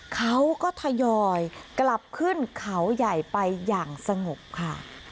เขาก็ทยอยกลับขึ้นเขาใหญ่ไปอย่างสงบค่ะ